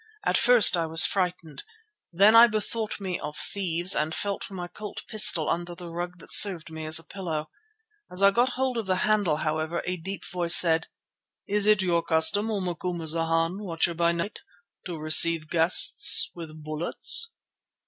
At first I was frightened. Then I bethought me of thieves and felt for my Colt pistol under the rug that served me as a pillow. As I got hold of the handle, however, a deep voice said: "Is it your custom, O Macumazana, Watcher by Night, to receive guests with bullets?"